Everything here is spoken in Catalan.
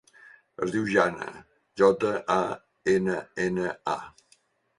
Es diu Janna: jota, a, ena, ena, a.